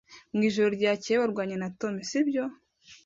Mwijoro ryakeye warwanye na Tom, sibyo?